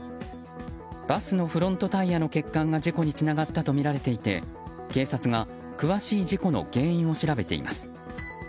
バスのフロントタイヤの欠陥が事故につながったとみられていて警察が詳しい事故の原因を調べています。